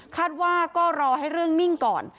คาดว่าก็รอให้เรื่องนิ่งก่อน